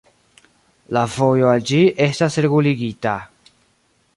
La vojo al ĝi estas reguligita.